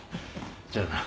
じゃあな。